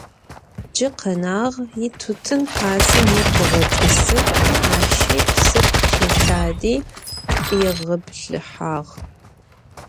Джы къэнагъ: итутын хьасэ ныкъогъэтӀысы, ащи псыр телъади чӀигъэбылъыхьагъ.